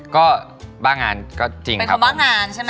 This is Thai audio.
ก็บ้างงานก็จริงครับผม